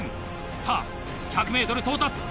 さぁ１００ｍ到達。